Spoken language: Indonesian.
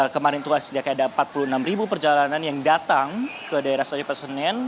kemarin itu sudah ada empat puluh enam perjalanan yang datang ke daerah stasiun pasar senen